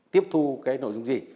tiếp thu cái nội dung gì